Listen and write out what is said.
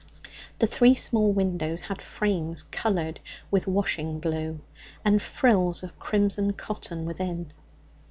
The three small windows had frames coloured with washing blue and frills of crimson cotton within.